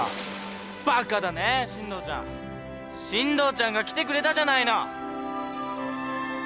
バカだね進藤ちゃん。進藤ちゃんが来てくれたじゃないの。